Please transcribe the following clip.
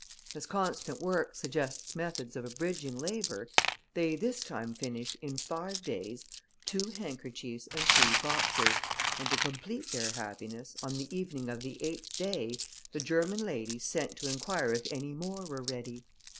As constant work suggests methods of abridging labour, they this time finished, in five days, two handkerchiefs and three boxes, and to complete their happiness, on the evening of the eighth day, the German lady sent to inquire if any more were ready.